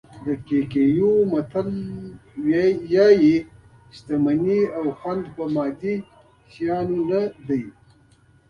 د کیکویو متل وایي شتمني او خوند په مادي شیانو نه دي.